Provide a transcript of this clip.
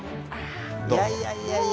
いやいやいやいや。